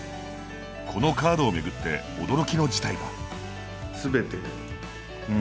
このカードを巡って驚きの事態が。